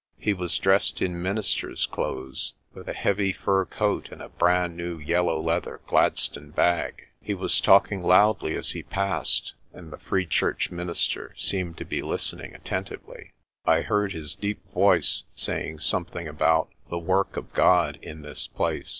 He was dressed in minister's clothes, with a heavy fur coat and a brand new yellow leather Gladstone bag. He was talking loudly as he passed, and the Free Church minister seemed to be listening atten tively. I heard his deep voice saying something about the "work of God in this place."